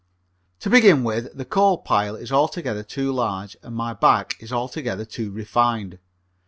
To begin with, the coal pile is altogether too large and my back is altogether too refined.